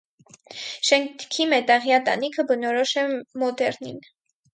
Շենքի մետաղյա տանիքը բնորոշ է մոդեռնին։